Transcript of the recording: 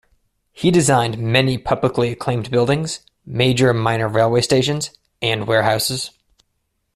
He designed many publicly acclaimed buildings, major and minor railway stations, and warehouses.